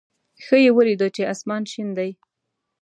ښه یې ولېده چې اسمان شین دی.